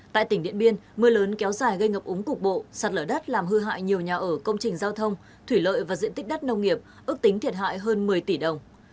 tại tỉnh điện biên mưa lớn kéo dài gây ngập úng cục bộ sạt lở đất làm hư hại nhiều nhà ở công trình giao thông thủy lợi và diện tích đất nông nghiệp ước tính thiệt hại hơn một mươi tỷ đồng